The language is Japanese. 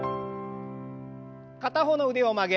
片方の腕を曲げ